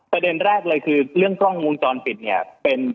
ประเด็นแรกเลยคือเรื่องกล้องวงจรปิดเนี่ยเป็น